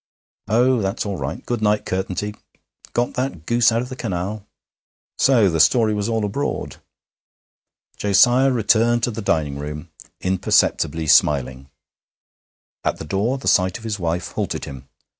'Oh, that's all right. Good night, Curtenty. Got that goose out of the canal?' So the story was all abroad! Josiah returned to the dining room, imperceptibly smiling. At the door the sight of his wife halted him.